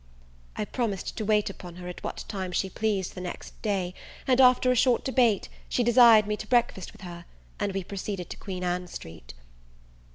I promised to wait upon her at what time she pleased the next day; and, after a short debate, she desired me to breakfast with her, and we proceeded to Queen Ann Street.